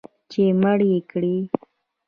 چې مړ یې کړي